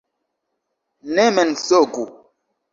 Ne mensogu!